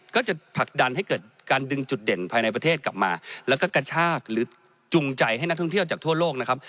ก็จะผลักดันให้เกิดการดึงจุดเด่นภายในประเทศกลับมาแล้วก็กระชากหรือจุงใจให้นักท่องเที่ยวจากทั่วโลกนะครับ